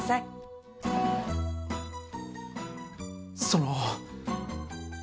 その。